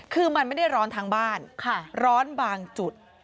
คือมันไม่ได้ร้อนทั้งบ้านร้อนบางจุด